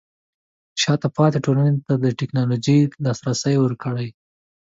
شاته پاتې ټولنې ته د ټیکنالوژۍ لاسرسی ورکړئ.